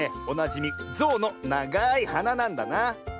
おなじみゾウのながいはななんだな。